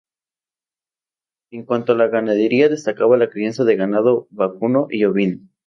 En cuanto a la ganadería destaca la crianza de ganado vacuno y ovino.